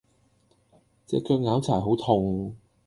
隻腳拗柴好痛